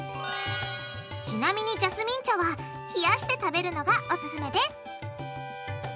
ちなみにジャスミン茶は冷やして食べるのがオススメです！